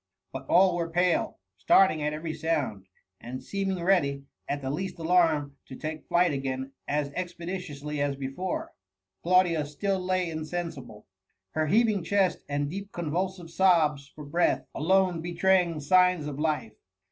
But all were pale, start ing at every sound, and seeming ready, at the least alarm, to take flight again as expeditiously as before. Claudia still lay insensible; her heaving VOL. I. o C90 TUB MUifllY. chest and deep ccmvuhive'sobB for breath, alone betraying signs of life.